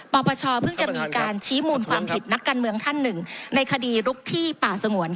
ปปชเพิ่งจะมีการชี้มูลความผิดนักการเมืองท่านหนึ่งในคดีลุกที่ป่าสงวน